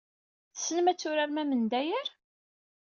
Tessnemt ad turaremt amendayer?